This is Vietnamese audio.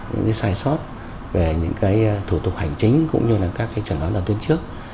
những cái sai sót về những cái thủ tục hành chính cũng như là các cái trần hóa đoàn tuyến trước